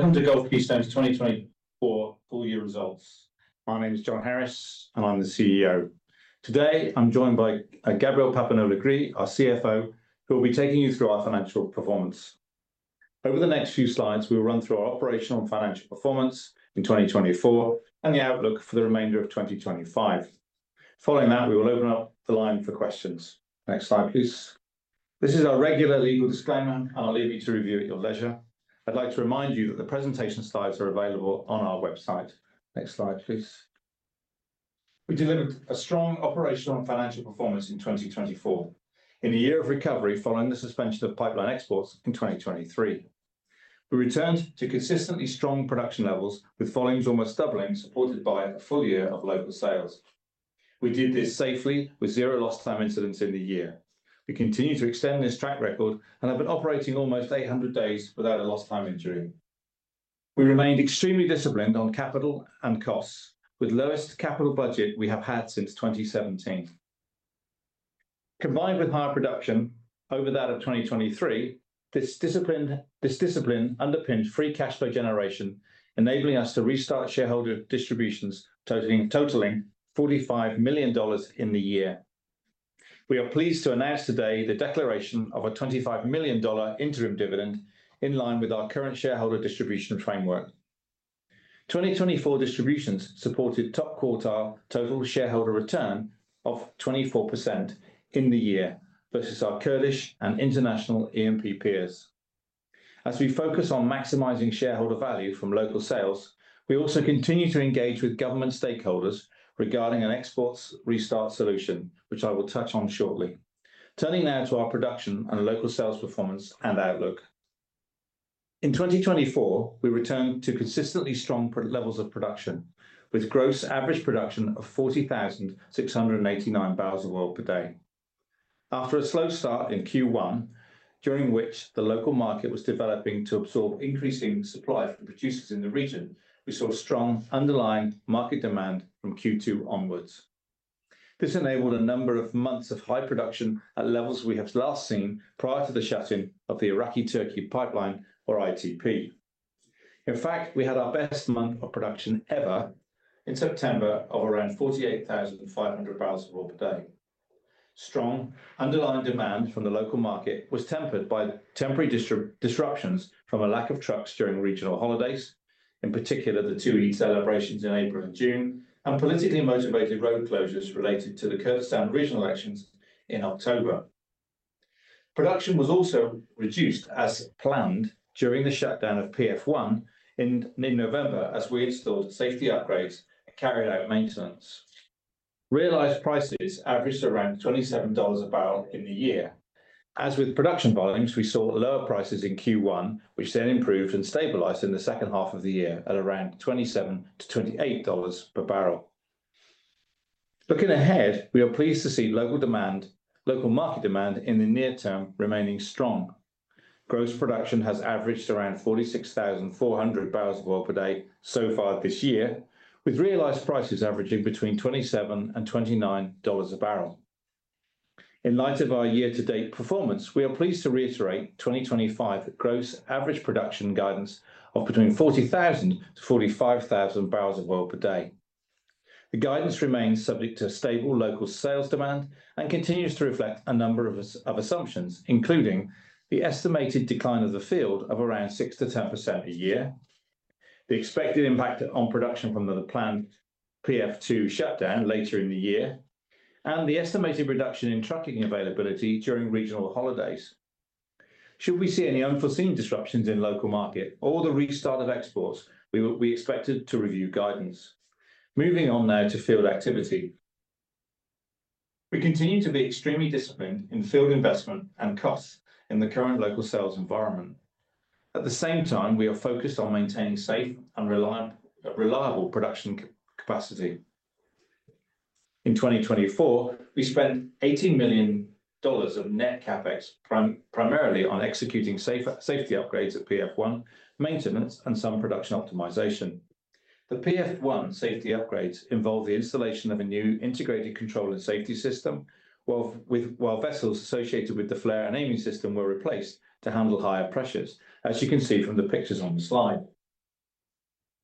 Welcome to Gulf Keystone's 2024 full-year results. My name is Jon Harris, and I'm the CEO. Today, I'm joined by Gabriel Papineau-Legris, our CFO, who will be taking you through our financial performance. Over the next few slides, we will run through our operational and financial performance in 2024 and the outlook for the remainder of 2025. Following that, we will open up the line for questions. Next slide, please. This is our regular legal disclaimer, and I'll leave you to review at your leisure. I'd like to remind you that the presentation slides are available on our website. Next slide, please. We delivered a strong operational and financial performance in 2024, in a year of recovery following the suspension of pipeline exports in 2023. We returned to consistently strong production levels, with volumes almost doubling, supported by a full year of local sales. We did this safely, with zero lost-time incidents in the year. We continue to extend this track record and have been operating almost 800 days without a lost-time injury. We remained extremely disciplined on capital and costs, with the lowest capital budget we have had since 2017. Combined with higher production over that of 2023, this discipline underpinned free cash flow generation, enabling us to restart shareholder distributions, totaling 45 million dollars in the year. We are pleased to announce today the declaration of a 25 million dollar interim dividend, in line with our current shareholder distribution framework. 2024 distributions supported top quartile total shareholder return of 24% in the year versus our Kurdish and international E&P peers. As we focus on maximizing shareholder value from local sales, we also continue to engage with government stakeholders regarding an exports restart solution, which I will touch on shortly. Turning now to our production and local sales performance and outlook. In 2024, we returned to consistently strong levels of production, with gross average production of 40,689 barrels of oil per day. After a slow start in Q1, during which the local market was developing to absorb increasing supply from producers in the region, we saw strong underlying market demand from Q2 onwards. This enabled a number of months of high production at levels we have last seen prior to the shutting of the Iraq-Turkey pipeline, or ITP. In fact, we had our best month of production ever in September, of around 48,500 barrels of oil per day. Strong underlying demand from the local market was tempered by temporary disruptions from a lack of trucks during regional holidays, in particular the two Eid celebrations in April and June, and politically motivated road closures related to the Kurdistan regional elections in October. Production was also reduced, as planned, during the shutdown of PF1 in mid-November, as we installed safety upgrades and carried out maintenance. Realized prices averaged around 27 dollars a barrel in the year. As with production volumes, we saw lower prices in Q1, which then improved and stabilized in the second half of the year at around 27-28 dollars per barrel. Looking ahead, we are pleased to see local market demand in the near term remaining strong. Gross production has averaged around 46,400 barrels of oil per day so far this year, with realized prices averaging between 27 and 29 dollars a barrel. In light of our year-to-date performance, we are pleased to reiterate 2025 gross average production guidance of between 40,000-45,000 barrels of oil per day. The guidance remains subject to stable local sales demand and continues to reflect a number of assumptions, including the estimated decline of the field of around 6-10% a year, the expected impact on production from the planned PF2 shutdown later in the year, and the estimated reduction in trucking availability during regional holidays. Should we see any unforeseen disruptions in the local market or the restart of exports, we expect to review guidance. Moving on now to field activity. We continue to be extremely disciplined in field investment and costs in the current local sales environment. At the same time, we are focused on maintaining safe and reliable production capacity. In 2024, we spent 18 million dollars of net capex primarily on executing safety upgrades at PF1, maintenance, and some production optimization. The PF1 safety upgrades involved the installation of a new integrated control and safety system, while vessels associated with the flare and amine system were replaced to handle higher pressures, as you can see from the pictures on the slide.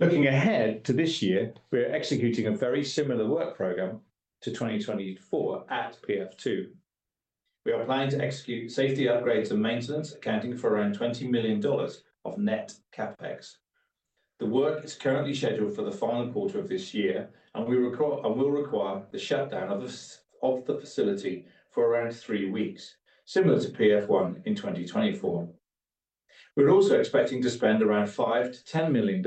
Looking ahead to this year, we are executing a very similar work program to 2024 at PF2. We are planning to execute safety upgrades and maintenance, accounting for around 20 million dollars of net capex. The work is currently scheduled for the final quarter of this year, and we will require the shutdown of the facility for around three weeks, similar to PF1 in 2024. We're also expecting to spend around USD 5-$10 million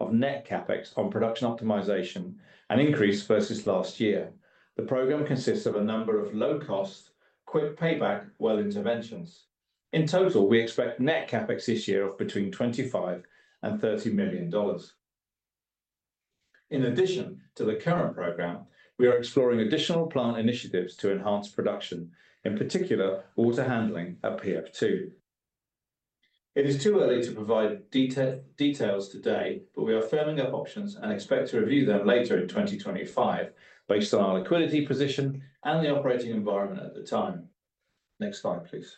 of net capex on production optimization, an increase versus last year. The program consists of a number of low-cost, quick payback well interventions. In total, we expect net CapEx this year of between 25 million and 30 million dollars. In addition to the current program, we are exploring additional plant initiatives to enhance production, in particular water handling at PF2. It is too early to provide details today, but we are firming up options and expect to review them later in 2025, based on our liquidity position and the operating environment at the time. Next slide, please.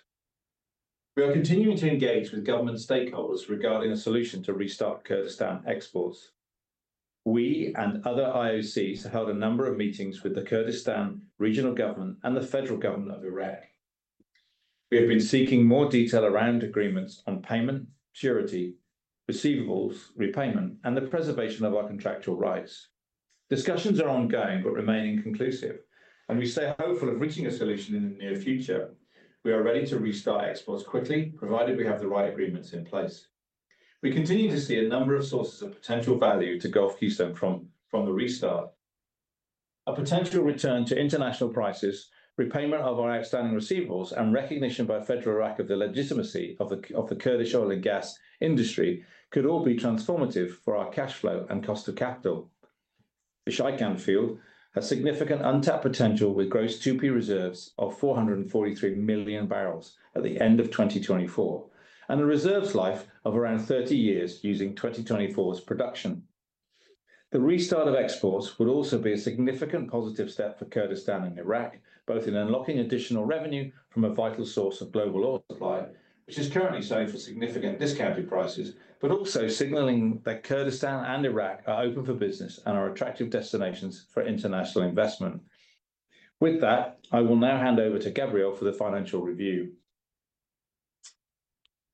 We are continuing to engage with government stakeholders regarding a solution to restart Kurdistan exports. We and other IOCs have held a number of meetings with the Kurdistan Regional Government and the federal government of Iraq. We have been seeking more detail around agreements on payment, surety, receivables, repayment, and the preservation of our contractual rights. Discussions are ongoing but remain inconclusive, and we stay hopeful of reaching a solution in the near future. We are ready to restart exports quickly, provided we have the right agreements in place. We continue to see a number of sources of potential value to Gulf Keystone from the restart. A potential return to international prices, repayment of our outstanding receivables, and recognition by Federal Iraq of the legitimacy of the Kurdish oil and gas industry could all be transformative for our cash flow and cost of capital. The Shaikan Field has significant untapped potential, with gross 2P reserves of 443 million barrels at the end of 2024 and a reserves life of around 30 years using 2024's production. The restart of exports would also be a significant positive step for Kurdistan and Iraq, both in unlocking additional revenue from a vital source of global oil supply, which is currently sold for significant discounted prices, but also signaling that Kurdistan and Iraq are open for business and are attractive destinations for international investment. With that, I will now hand over to Gabriel for the financial review.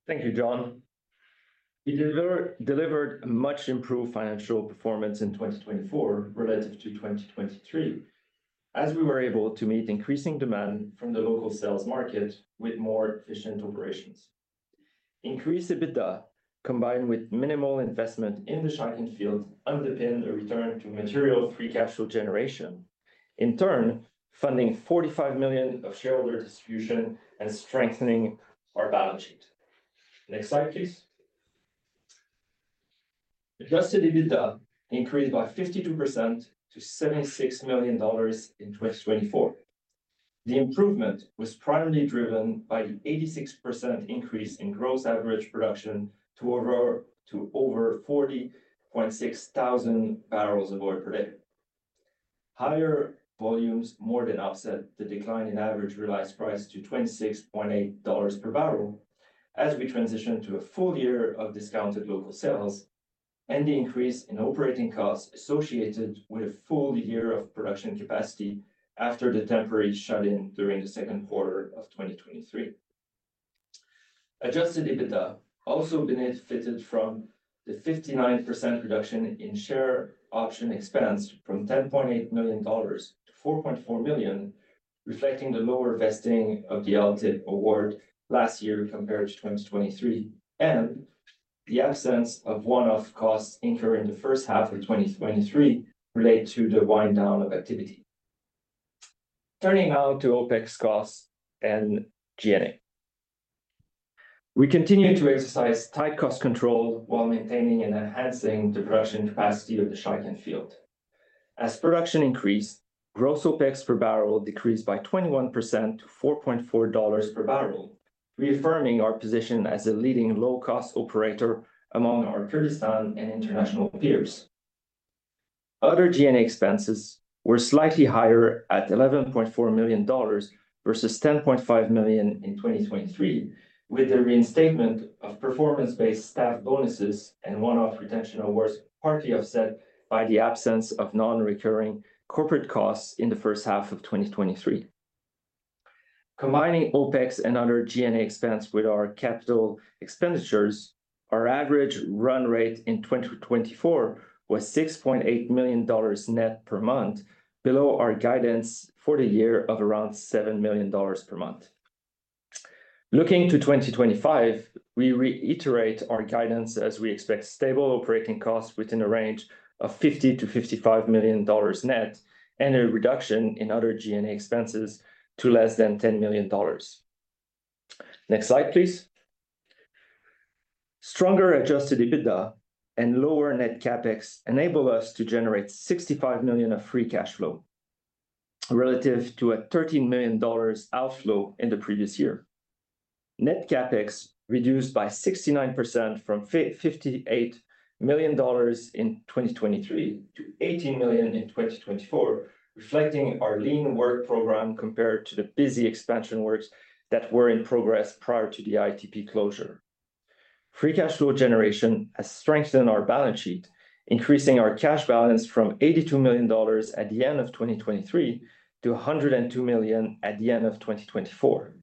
Thank you, Jon. We delivered much-improved financial performance in 2024 relative to 2023, as we were able to meet increasing demand from the local sales market with more efficient operations. Increased EBITDA, combined with minimal investment in the Shaikan Field, underpinned a return to material free capital generation, in turn funding 45 million of shareholder distribution and strengthening our balance sheet. Next slide, please. Adjusted EBITDA increased by 52% to 76 million dollars in 2024. The improvement was primarily driven by the 86% increase in gross average production to over 40,600 barrels of oil per day. Higher volumes more than offset the decline in average realized price to 26.8 dollars per barrel as we transitioned to a full year of discounted local sales and the increase in operating costs associated with a full year of production capacity after the temporary shut-in during the second quarter of 2023. Adjusted EBITDA also benefited from the 59% reduction in share option expense from 10.8 million dollars to 4.4 million, reflecting the lower vesting of the LTIP award last year compared to 2023, and the absence of one-off costs incurred in the first half of 2023 related to the wind-down of activity. Turning now to OpEx costs and G&A. We continue to exercise tight cost control while maintaining and enhancing the production capacity of the Shaikan Field. As production increased, gross OpEx per barrel decreased by 21% to 4.4 dollars per barrel, reaffirming our position as a leading low-cost operator among our Kurdistan and international peers. Other G&A expenses were slightly higher at 11.4 million dollars versus 10.5 million in 2023, with the reinstatement of performance-based staff bonuses and one-off retention awards partly offset by the absence of non-recurring corporate costs in the first half of 2023. Combining OpEx and other G&A expense with our capital expenditures, our average run rate in 2024 was 6.8 million dollars net per month, below our guidance for the year of around 7 million dollars per month. Looking to 2025, we reiterate our guidance as we expect stable operating costs within a range of 50-55 million dollars net and a reduction in other G&A expenses to less than 10 million dollars. Next slide, please. Stronger adjusted EBITDA and lower net capex enable us to generate 65 million of free cash flow relative to a 13 million dollars outflow in the previous year. Net capex reduced by 69% from 58 million dollars in 2023 to 18 million in 2024, reflecting our lean work program compared to the busy expansion works that were in progress prior to the ITP closure. Free cash flow generation has strengthened our balance sheet, increasing our cash balance from 82 million dollars at the end of 2023 to 102 million at the end of 2024.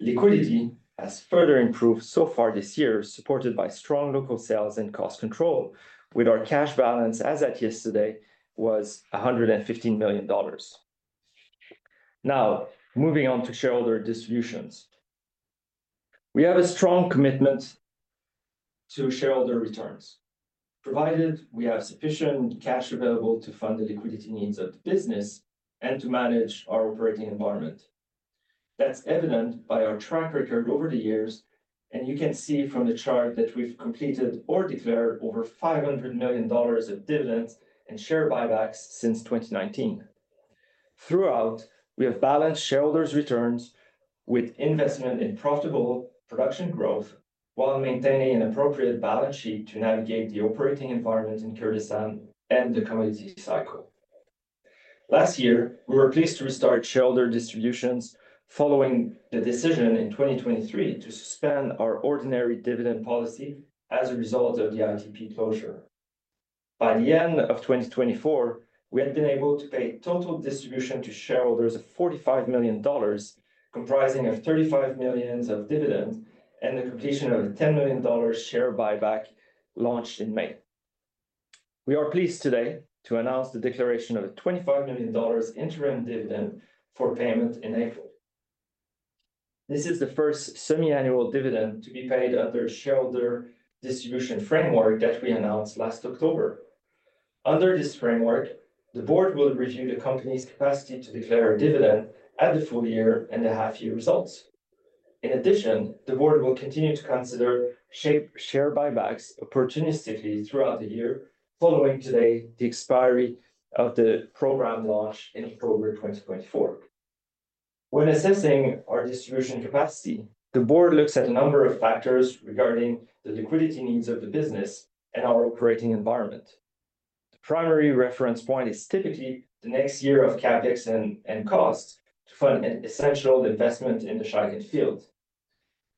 Liquidity has further improved so far this year, supported by strong local sales and cost control, with our cash balance as at yesterday was 115 million dollars. Now, moving on to shareholder distributions. We have a strong commitment to shareholder returns, provided we have sufficient cash available to fund the liquidity needs of the business and to manage our operating environment. That is evident by our track record over the years, and you can see from the chart that we have completed or declared over 500 million dollars of dividends and share buybacks since 2019. Throughout, we have balanced shareholders' returns with investment in profitable production growth while maintaining an appropriate balance sheet to navigate the operating environment in Kurdistan and the commodity cycle. Last year, we were pleased to restart shareholder distributions following the decision in 2023 to suspend our ordinary dividend policy as a result of the ITP closure. By the end of 2024, we had been able to pay total distribution to shareholders of 45 million dollars, comprising of 35 million of dividend, and the completion of a 10 million dollars share buyback launched in May. We are pleased today to announce the declaration of a 25 million dollars interim dividend for payment in April. This is the first semiannual dividend to be paid under the shareholder distribution framework that we announced last October. Under this framework, the board will review the company's capacity to declare a dividend at the full year and the half-year results. In addition, the board will continue to consider share buybacks opportunistically throughout the year, following today the expiry of the program launched in October 2024. When assessing our distribution capacity, the board looks at a number of factors regarding the liquidity needs of the business and our operating environment. The primary reference point is typically the next year of CapEx and costs to fund an essential investment in the Shaikan Field.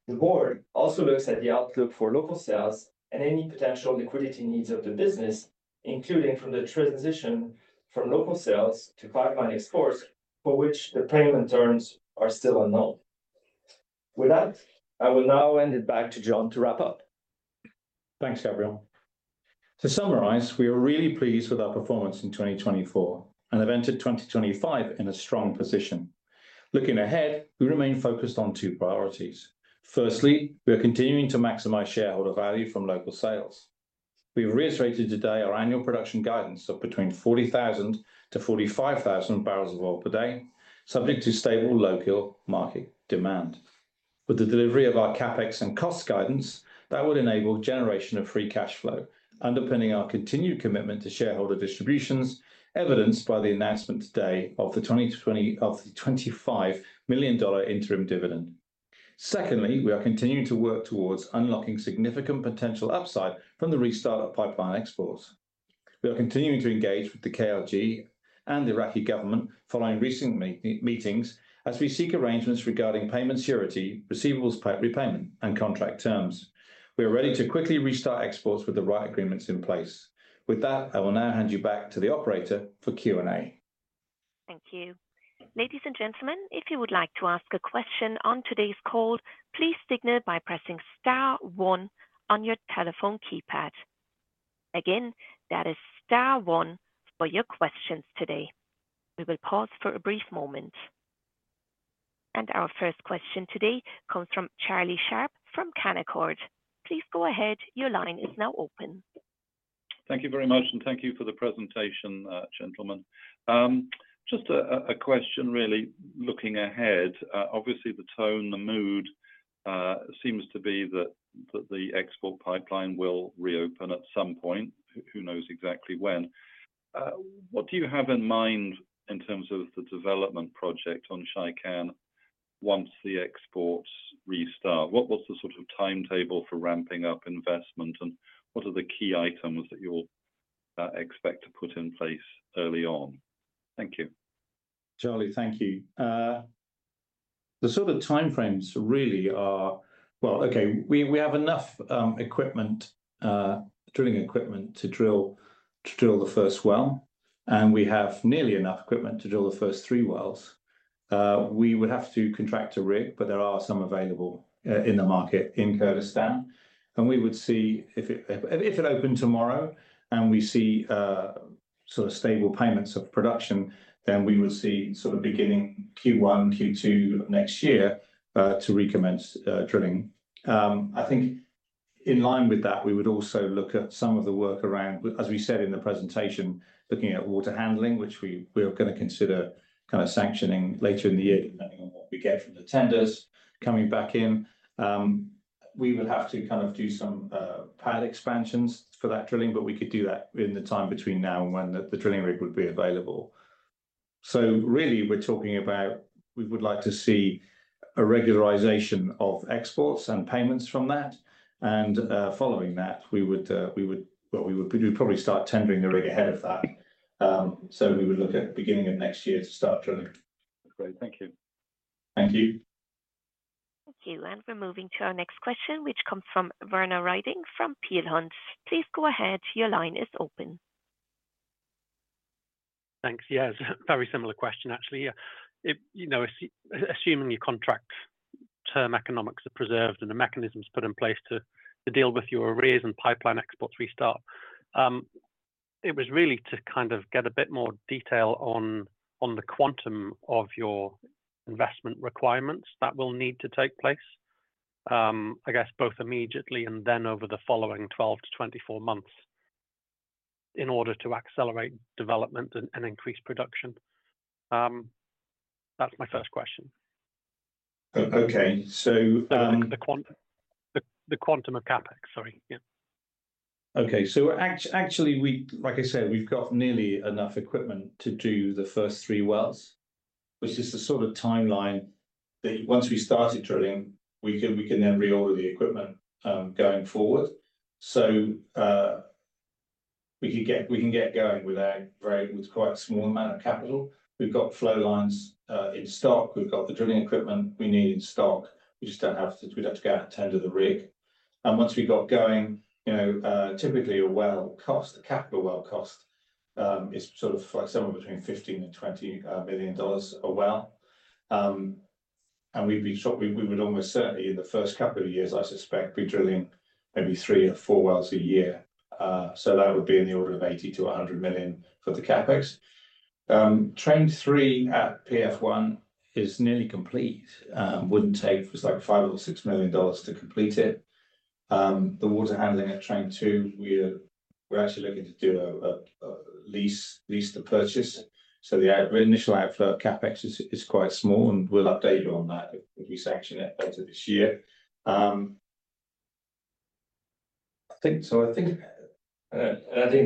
The board also looks at the outlook for local sales and any potential liquidity needs of the business, including from the transition from local sales to Ceyhan port, for which the payment terms are still unknown. With that, I will now hand it back to Jon to wrap up. Thanks, Gabriel. To summarize, we are really pleased with our performance in 2024 and have entered 2025 in a strong position. Looking ahead, we remain focused on two priorities. Firstly, we are continuing to maximize shareholder value from local sales. We have reiterated today our annual production guidance of between 40,000-45,000 barrels of oil per day, subject to stable local market demand. With the delivery of our CapEx and cost guidance, that would enable generation of free cash flow, underpinning our continued commitment to shareholder distributions, evidenced by the announcement today of the 25 million dollar interim dividend. Secondly, we are continuing to work towards unlocking significant potential upside from the restart of pipeline exports. We are continuing to engage with the KRG and the Iraqi government following recent meetings as we seek arrangements regarding payment surety, receivables repayment, and contract terms. We are ready to quickly restart exports with the right agreements in place. With that, I will now hand you back to the operator for Q&A. Thank you. Ladies and gentlemen, if you would like to ask a question on today's call, please signal by pressing Star one on your telephone keypad. Again, that is Star one for your questions today. We will pause for a brief moment. Our first question today comes from Charlie Sharp from Canaccord. Please go ahead. Your line is now open. Thank you very much, and thank you for the presentation, gentlemen. Just a question, really. Looking ahead, obviously the tone, the mood seems to be that the export pipeline will reopen at some point. Who knows exactly when? What do you have in mind in terms of the development project on Shaikan once the exports restart? What's the sort of timetable for ramping up investment, and what are the key items that you'll expect to put in place early on? Thank you. Charlie, thank you. The sort of timeframes really are, well, okay, we have enough equipment, drilling equipment to drill the first well, and we have nearly enough equipment to drill the first three wells. We would have to contract a rig, but there are some available in the market in Kurdistan, and we would see if it opens tomorrow and we see sort of stable payments of production, then we would see sort of beginning Q1, Q2 of next year to recommence drilling. I think in line with that, we would also look at some of the work around, as we said in the presentation, looking at water handling, which we are going to consider kind of sanctioning later in the year depending on what we get from the tenders coming back in. We would have to kind of do some pad expansions for that drilling, but we could do that in the time between now and when the drilling rig would be available. Really, we're talking about, we would like to see a regularization of exports and payments from that, and following that, we would, well, we would probably start tendering the rig ahead of that. We would look at the beginning of next year to start drilling. Great. Thank you. Thank you. Thank you. We are moving to our next question, which comes from Werner Riding from Peel Hunt. Please go ahead. Your line is open. Thanks. Yes, very similar question, actually. Assuming your contract term economics are preserved and the mechanisms put in place to deal with your arrears and pipeline exports restart, it was really to kind of get a bit more detail on the quantum of your investment requirements that will need to take place, I guess, both immediately and then over the following 12 to 24 months in order to accelerate development and increase production. That's my first question. Okay. So. The quantum of CapEx, sorry. Okay. Actually, like I said, we've got nearly enough equipment to do the first three wells, which is the sort of timeline that once we started drilling, we can then reorder the equipment going forward. We can get going with a quite small amount of capital. We've got flow lines in stock. We've got the drilling equipment we need in stock. We just don't have to, we'd have to go out and tender the rig. Once we got going, typically a well cost, a capital well cost, is sort of somewhere between 15 million and 20 million dollars a well. We would almost certainly, in the first couple of years, I suspect, be drilling maybe three or four wells a year. That would be in the order of 80 million-100 million for the capex. Train 3 at PF1 is nearly complete. Wouldn't take like 5 or 6 million dollars to complete it. The water handling at Train 2, we're actually looking to do a lease to purchase. The initial outflow of CapEx is quite small, and we'll update you on that if we sanction it later this year. I think the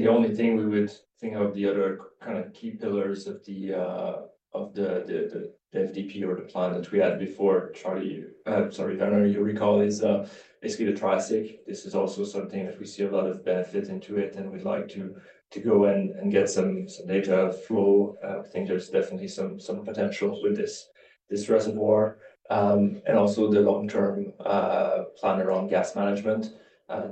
only thing we would think of, the other kind of key pillars of the FDP or the plan that we had before, Charlie, sorry, Werner, you recall, is basically the Triassic. This is also something that we see a lot of benefit into it, and we'd like to go and get some data flow. I think there's definitely some potential with this reservoir. Also the long-term plan around gas management.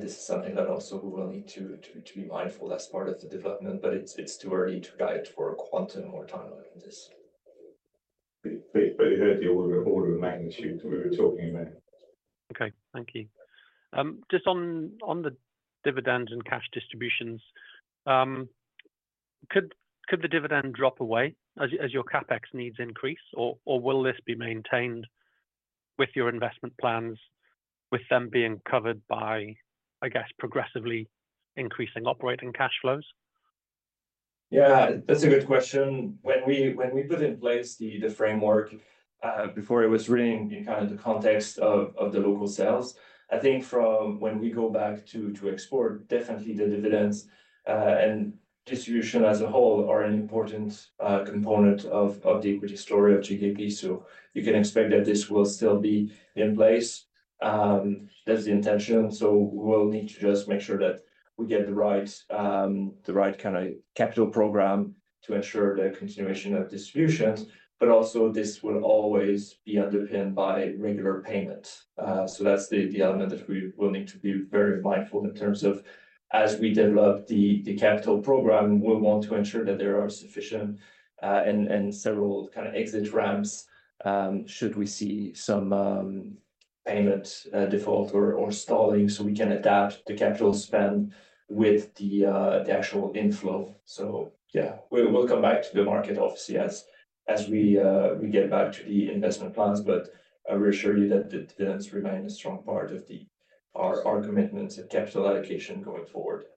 This is something that also we will need to be mindful as part of the development, but it's too early to guide for quantum or time like this. You heard the order of magnitude we were talking about. Okay. Thank you. Just on the dividend and cash distributions, could the dividend drop away as your CapEx needs increase, or will this be maintained with your investment plans, with them being covered by, I guess, progressively increasing operating cash flows? Yeah, that's a good question. When we put in place the framework, before it was written in kind of the context of the local sales, I think from when we go back to export, definitely the dividends and distribution as a whole are an important component of the equity story of GKP. You can expect that this will still be in place. That's the intention. We need to just make sure that we get the right kind of capital program to ensure the continuation of distributions, but also this will always be underpinned by regular payments. That is the element that we will need to be very mindful in terms of as we develop the capital program, we'll want to ensure that there are sufficient and several kind of exit ramps should we see some payment default or stalling so we can adapt the capital spend with the actual inflow. Yeah, we'll come back to the market, obviously, as we get back to the investment plans, but we assure you that the dividends remain a strong part of our commitments and capital allocation going forward.